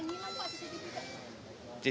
ada yang nilai pak cctv nya